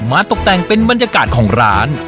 ตกแต่งเป็นบรรยากาศของร้าน